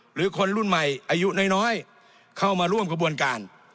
หรือคนรุ่นใหม่อายุน้อยเข้ามาร่วมกระบวนการ